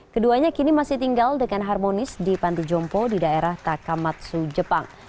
keduanya kini masih tinggal dengan harmonis di panti jompo di daerah takamatsu jepang